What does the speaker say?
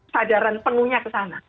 sadaran penuhnya ke sana